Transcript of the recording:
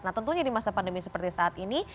nah tentunya di masa pandemi seperti saat ini